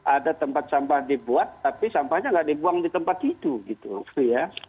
ada tempat sampah dibuat tapi sampahnya nggak dibuang di tempat itu gitu ya